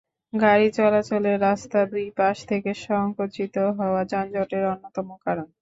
গাড়ি চলাচলের রাস্তা দুই পাশ থেকে সংকুচিত হওয়াও যানজটের অন্যতম কারণ।